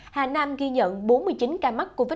hà nam ghi nhận bốn mươi chín ca mắc covid một mươi chín